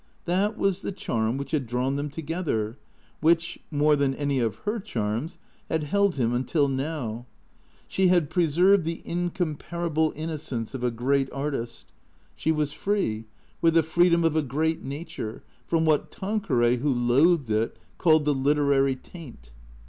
That was the charm which had drawn tlicm together, which, more than any of her charms, had held him until now. She had preserved the incomparable innocence of a great artist; 6 THE CEEATOES she was free, with the freedom of a great nature, from what Tan queray, who loathed it, called the " literary taint."